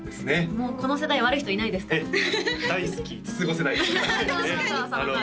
もうこの世代悪い人いないですから「大好き！五つ子」